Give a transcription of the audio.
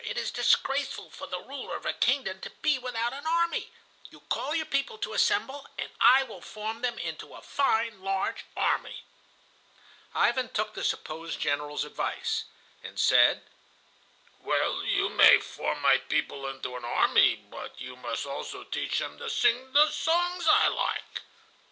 It is disgraceful for the ruler of a kingdom to be without an army. You call your people to assemble, and I will form them into a fine large army." Ivan took the supposed General's advice, and said: "Well, you may form my people into an army, but you must also teach them to sing the songs I like."